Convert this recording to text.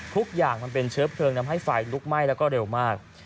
ทุกอย่างมันเป็นเชื้อเพลิงทำให้ไฟลุกไหม้แล้วก็เร็วมาก